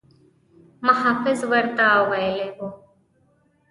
محافظ ورته ویلي وو.